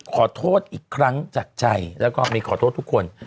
ขอโทษอีกครั้งจากใจแล้วก็มีขอโทษทุกคน